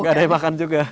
nggak ada yang makan juga